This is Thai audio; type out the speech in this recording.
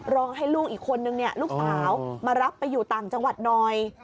ร้องให้ลูกอีกคนนึงลูกสาวมารับไปอยู่ต่างจังหวัดหน่อย